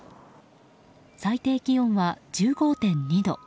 最低気温は１５．２度。